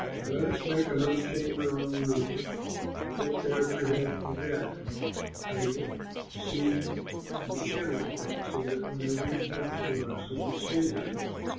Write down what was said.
Let us make a little chamber on the roof, and put there for him a bed, a table, a seat, and a candlestick, so that whenever he comes to us, he can stay there."